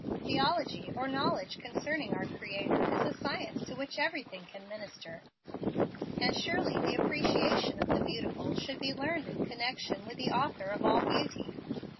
Theology, or knowledge concerning our Creator, is a science to which everything can minister, and surely the appreciation of the beautiful should be learned in connection with the Author of all beauty."